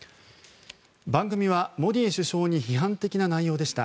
番組は、モディ首相に批判的な内容でした。